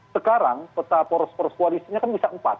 sekarang peta prosporis koalisinya kan bisa empat